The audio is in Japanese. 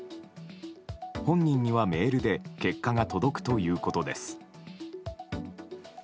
本人にはメールで結果が届くということです。